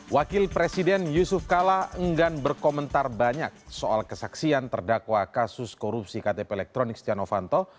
wakil presiden yusuf kala enggan berkomentar banyak soal kesaksian terdakwa kasus korupsi ktp elektronik stiano fanto